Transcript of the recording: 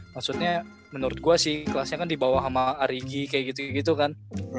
maksudnya menurut gua sih kelasnya kan dibawah sama rigi kayak gitu kan